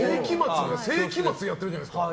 聖飢魔２やってるじゃないですか。